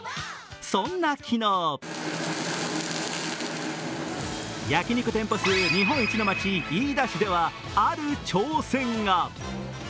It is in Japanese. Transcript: そんな昨日焼肉店舗数日本一の町、飯田市ではある挑戦が。